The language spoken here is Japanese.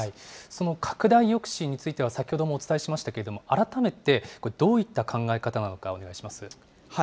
その拡大抑止については、先ほどもお伝えしましたけれども、改めてどういった考え方なのか、お願いします。